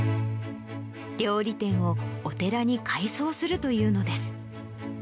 料理店をお寺に改装するというのです。